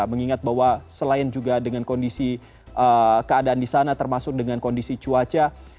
mengingat bahwa selain juga dengan kondisi keadaan di sana termasuk dengan kondisi cuaca